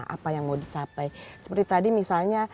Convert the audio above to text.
apa yang mau dicapai seperti tadi misalnya